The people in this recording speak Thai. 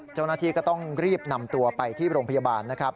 เจ้าหน้าที่ก็ต้องรีบนำตัวไปที่โรงพยาบาลนะครับ